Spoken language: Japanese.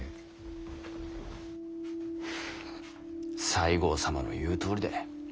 西郷様の言うとおりだ。